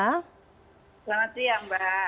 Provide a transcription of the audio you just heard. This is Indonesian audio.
selamat siang mbak